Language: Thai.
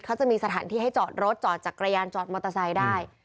เขาจะมีสถานที่ให้จอดรถจอดจักรยานจอดมอเตอร์ไซค์ได้